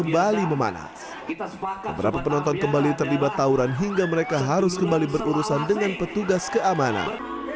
beberapa penonton kembali terlibat tawuran hingga mereka harus kembali berurusan dengan petugas keamanan